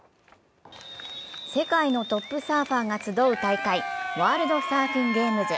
世界のトップサーファーが集う大会、ワールドサーフィンゲームズ。